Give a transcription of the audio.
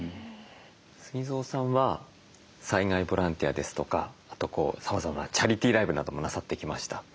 ＳＵＧＩＺＯさんは災害ボランティアですとかあとさまざまなチャリティーライブなどもなさってきました。